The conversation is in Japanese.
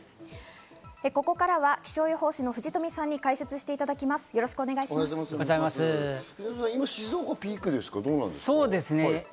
ここからは気象予報士の藤富さんに解説していただきます。